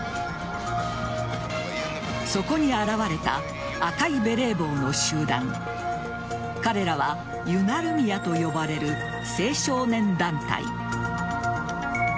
そこに現れた赤いベレー帽の集団彼らはユナルミヤと呼ばれる青少年団体。